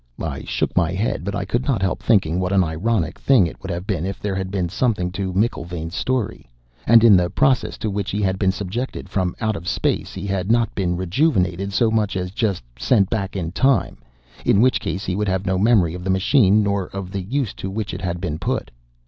I shook my head, but I could not help thinking what an ironic thing it would have been if there had been something to McIlvaine's story, and in the process to which he had been subjected from out of space he had not been rejuvenated so much as just sent back in time, in which case he would have no memory of the machine nor of the use to which it had been put.